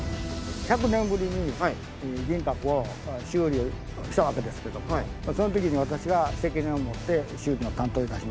１００年ぶりに銀閣を修理したわけですけどそのときに私が責任を持って修理の担当をいたしました。